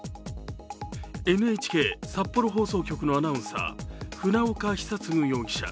ＮＨＫ札幌放送局のアナウンサー船岡久嗣容疑者。